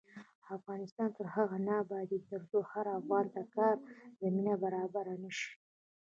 افغانستان تر هغو نه ابادیږي، ترڅو هر افغان ته د کار زمینه برابره نشي.